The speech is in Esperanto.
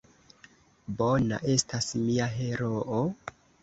Bona estas mia heroo?